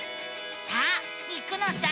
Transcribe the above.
さあ行くのさ！